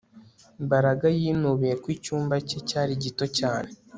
Mbaraga yinubiye ko icyumba cye cyari gito cyane